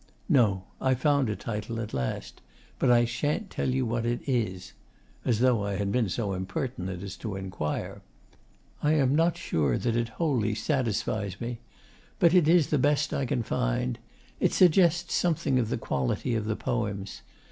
'No. I found a title, at last. But I shan't tell you what it is,' as though I had been so impertinent as to inquire. 'I am not sure that it wholly satisfies me. But it is the best I can find. It suggests something of the quality of the poems....